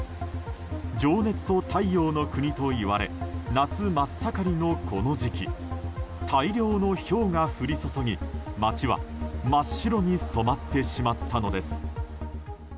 情熱と太陽の国といわれ夏真っ盛りの、この時期大量のひょうが降り注ぎ街は真っ白に染まってしまったのです。